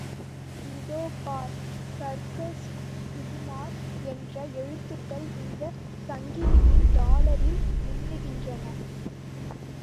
இதோ பார் சர்க்கஸ் சுகுமார்! என்ற எழுத்துகள் இந்தச் சங்கிலியின் டாலரில் மின்னுகின்றன...!